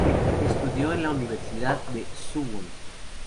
Estudió en la Universidad de Suwon.